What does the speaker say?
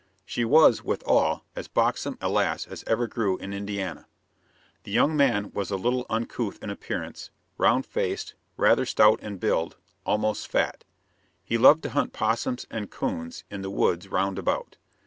She was, withal, as buxom a lass as ever grew in Indiana. The young man was a little uncouth in appearance, round faced, rather stout in build almost fat. He loved to hunt possums and coons in the woods round about.